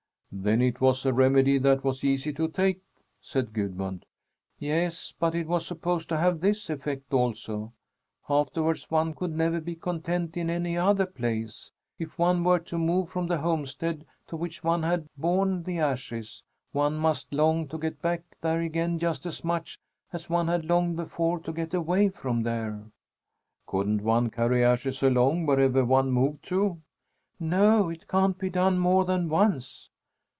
"Then it was a remedy that was easy to take," said Gudmund. "Yes, but it was supposed to have this effect also: afterwards one could never be content in any other place. If one were to move from the homestead to which one had borne the ashes, one must long to get back there again just as much as one had longed before to get away from there." "Couldn't one carry ashes along wherever one moved to?" "No, it can't be done more than once.